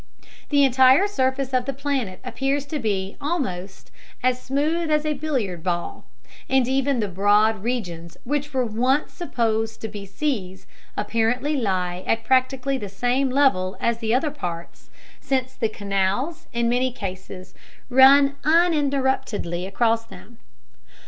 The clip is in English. The entire surface of the planet appears to be almost "as smooth as a billiard ball," and even the broad regions which were once supposed to be seas apparently lie at practically the same level as the other parts, since the "canals" in many cases run uninterruptedly across them.